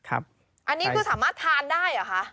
อันนี้คือสามารถทานได้เหรอคะ